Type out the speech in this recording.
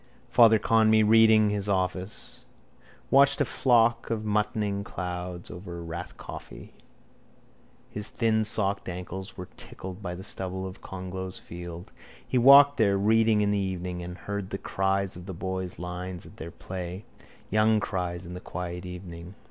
Father Conmee, reading his office, watched a flock of muttoning clouds over Rathcoffey. His thinsocked ankles were tickled by the stubble of Clongowes field. He walked there, reading in the evening, and heard the cries of the boys' lines at their play, young cries in the quiet evening.